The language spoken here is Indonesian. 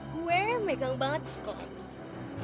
gue megang banget sekolah ini